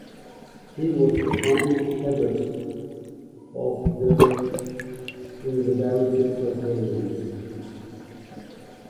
He was the founding abbot of the in the Diocese of Rheims.